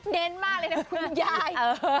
เน้นมากเลยนะคุณยาย